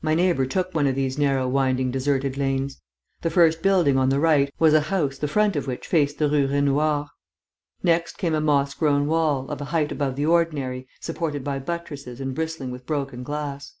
My neighbour took one of these narrow, winding, deserted lanes. The first building, on the right, was a house the front of which faced the Rue Raynouard. Next came a moss grown wall, of a height above the ordinary, supported by buttresses and bristling with broken glass.